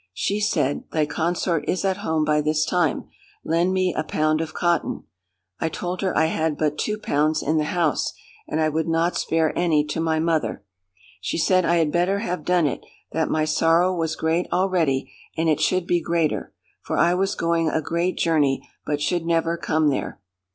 She said, thy consort is at home by this time: lend me a pound of cotton. I told her I had but two pounds in the house, and I would not spare any to my mother. She said I had better have done it; that my sorrow was great already, and it should be greater; for I was going a great journey, but should never come there.